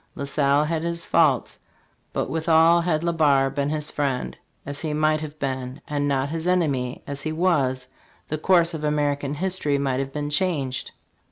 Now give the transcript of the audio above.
La Salle had his faults; but withal, had Le Barre been his friend, as he might have been, and not his enemy, as he was, the course of American history might have been changed.